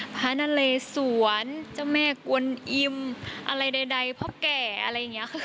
ภานาเลสวรรษเจ้าแม่กวนอิมอะไรใดเพราะแก่อะไรเนี่ย